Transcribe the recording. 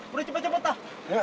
udah cepat cepat tah